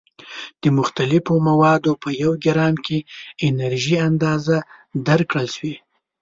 د مختلفو موادو په یو ګرام کې انرژي اندازه درکړل شوې.